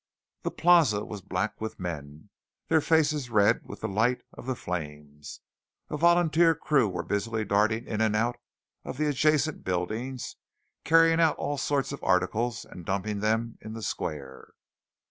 The Plaza was black with men, their faces red with the light of the flames. A volunteer crew were busily darting in and out of the adjacent buildings, carrying out all sorts of articles and dumping them in the square.